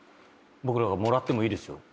僕らがもらってもいいですよ？